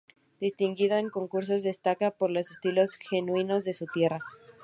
Distinguido en concursos, destaca por los estilos genuinos de su tierra.